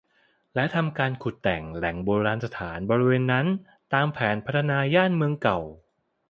และทำการขุดแต่งแหล่งโบราณสถานบริเวณนั้นตามแผนพัฒนาย่านเมืองเก่า